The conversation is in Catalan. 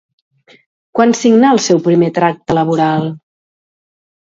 Quan signà el seu primer tracte laboral?